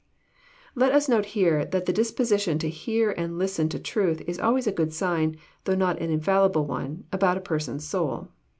Let us note here that the disposition to hear and listen to truth is always a good sign, though not an infallible one, about a person's soul.